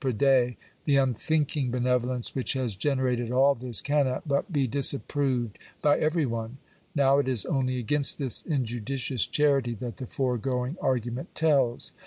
per day — the unthinking be nevolence which has generated all this, cannot but be disap proved by every one. Now it is only against this injudicious charity that the foregoing argument tells.